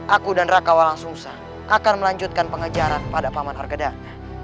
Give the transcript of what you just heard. aku dan raka walang sungsang akan melanjutkan pengejaran pada paman argadana